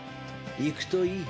行くといい。